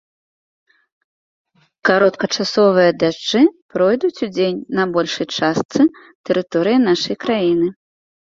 Кароткачасовыя дажджы пройдуць удзень на большай частцы тэрыторыі нашай краіны.